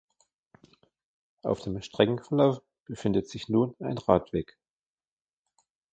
Auf dem Streckenverlauf befindet sich nun ein Radweg.